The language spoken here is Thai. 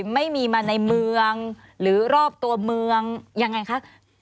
ไม่มีมาในเมืองหรือรอบตัวเมืองยังไงคะ